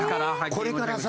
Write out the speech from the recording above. これからさ